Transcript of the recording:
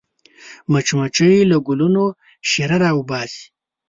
مچمچۍ له ګلونو شیره راوباسي